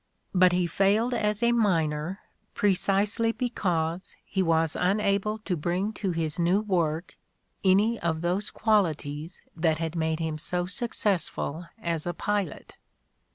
'' But he failed as a miner precisely because he was unable to bring to his new work any of those qualities that had made him so successful as a pilot.